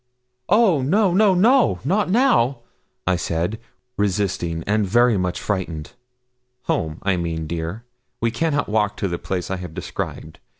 'Oh! no, no, no not now,' I said, resisting, and very much frightened. 'Home, I mean, dear. We cannot walk to the place I have described.